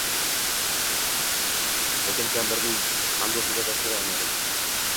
Lekin kampirning anduhiga dosh bera olmadim…